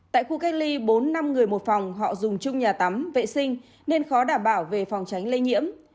tại khu cách ly bốn năm người một phòng họ dùng chung nhà tắm vệ sinh nên khó đảm bảo về phòng tránh lây nhiễm